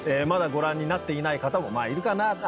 まだご覧になっていない方もまあいるかな？